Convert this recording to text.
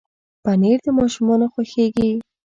پنېر د ماشومانو خوښېږي.